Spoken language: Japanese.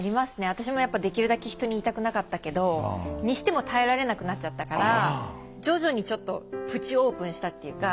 私もやっぱできるだけ人に言いたくなかったけどにしても耐えられなくなっちゃったから徐々にちょっとプチオープンしたっていうか。